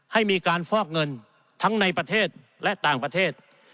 ให้มีการฟอกเงินทั้งในประเทศและต่างประเทศ